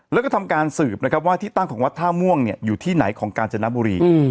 แล้วก็ทำการสืบนะครับว่าที่ตั้งของวัดท่าม่วงอยู่ที่ไหนของกาญจนบุรี